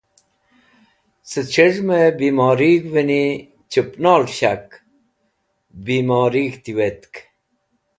Cẽ c̃hez̃hmẽ bimorig̃hvẽ ni chẽpnol shak bimorig̃h tiwetk.